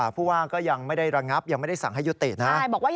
ผู้ว่าก็ยังไม่ได้ระงับยังไม่ได้สั่งให้ยุตินะ